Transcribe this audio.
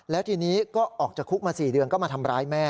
แล้วทีนี้ก็ออกจากคุกมา๔เดือนก็มาทำร้ายแม่